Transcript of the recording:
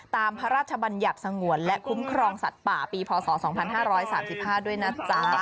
พระราชบัญญัติสงวนและคุ้มครองสัตว์ป่าปีพศ๒๕๓๕ด้วยนะจ๊ะ